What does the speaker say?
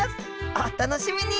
お楽しみに！